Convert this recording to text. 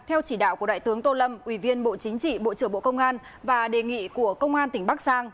theo chỉ đạo của đại tướng tô lâm ủy viên bộ chính trị bộ trưởng bộ công an và đề nghị của công an tỉnh bắc giang